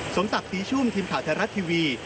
สมศักดิ์ศรีชุ่มทีมข่าวไทยรัฐทีวี